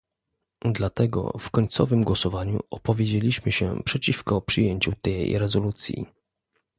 Dlatego w końcowym głosowaniu opowiedzieliśmy się przeciwko przyjęciu tej rezolucji